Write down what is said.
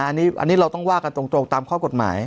อันนี้เราต้องว่ากันตรงตามข้อกฎหมาย